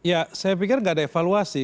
ya saya pikir nggak ada evaluasi